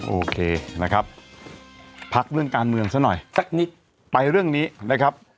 โอเคนะครับพักเรื่องการเมืองซะหน่อยสักนิดไปเรื่องนี้นะครับ